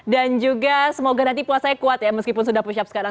dan juga semoga nanti puasanya kuat ya meskipun sudah push up sekarang